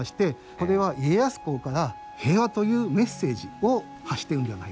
これは家康公から平和というメッセージを発してるんではないかな。